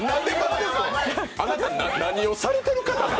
あなた、何をされてる方なの？